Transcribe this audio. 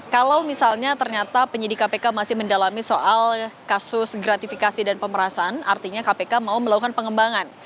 kalau misalnya ternyata penyidik kpk masih mendalami soal kasus gratifikasi dan pemerasan artinya kpk mau melakukan pengembangan